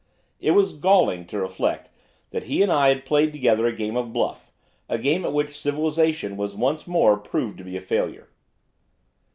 It was galling to reflect that he and I had played together a game of bluff, a game at which civilisation was once more proved to be a failure.